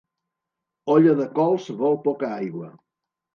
Olla de cols vol poca aigua.